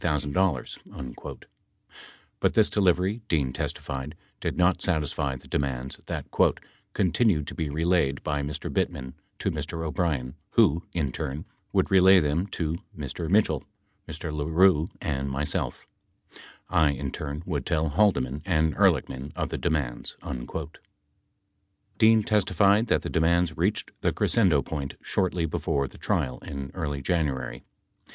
7 But this delivery, Dean testified, did not satisfy the demands that "continued to be relayed by Mr. Bittman to Mr. O'Brien who, in turn, would relay them to Mr. Mitchell, Mr. LaRue, and myself. I, in turn, would tell Haldeman and Ehrlichman of the demands." 8 Dean testified that the demands reached the crescendo point shortly before the trial in early January.